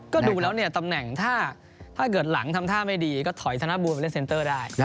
ก็ดูแล้วเนี่ยตำแหน่งถ้าเกิดหลังทำท่าไม่ดีก็ถอยธนบูลไปเล่นเซ็นเตอร์ได้